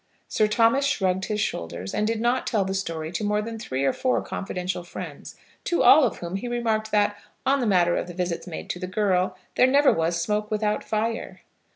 Sir Thomas shrugged his shoulders, and did not tell the story to more than three or four confidential friends, to all of whom he remarked that on the matter of the visits made to the girl, there never was smoke without fire.